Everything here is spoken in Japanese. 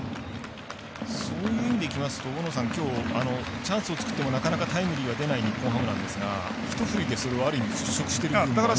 そういう意味でいきますときょうチャンスを作ってもなかなかタイムリーは出ない日本ハムですがひと振りでそれをある意味ふっしょくしてる感じですね。